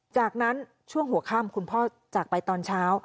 จากนั้นช่วงหัวค่ำคุณพ่อจากไปตอนเช้า